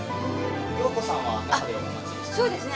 洋子さんは中でお待ちですか？